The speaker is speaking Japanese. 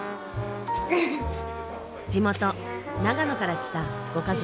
地元長野から来たご家族。